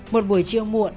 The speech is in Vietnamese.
một buổi chiều muộn